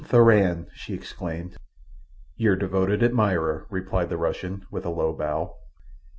Thuran!" she exclaimed. "Your devoted admirer," replied the Russian, with a low bow.